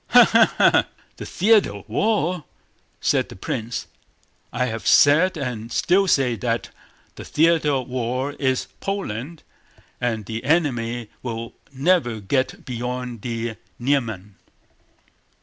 "Ha ha ha! The theater of war!" said the prince. "I have said and still say that the theater of war is Poland and the enemy will never get beyond the Niemen."